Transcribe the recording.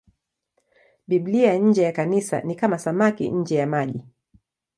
Biblia nje ya Kanisa ni kama samaki nje ya maji.